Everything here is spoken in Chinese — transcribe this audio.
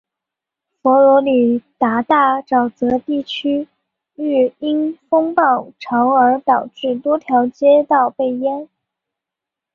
佛罗里达大沼泽地区域因风暴潮而导致多条街道被淹。